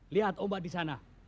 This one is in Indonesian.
lihat ombak di sana